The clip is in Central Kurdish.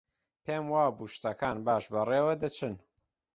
پێم وابوو شتەکان باش بەڕێوە دەچن.